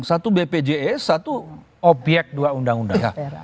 satu bpjs satu obyek dua undang undang